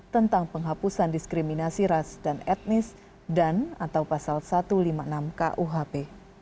tentang penghapusan diskriminasi ras dan etnis dan atau pasal satu ratus lima puluh enam kuhp